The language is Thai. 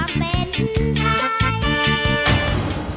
กับความเป็นใคร